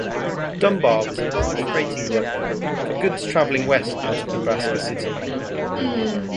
Dunbar was a large freighting depot for goods traveling west out of Nebraska City.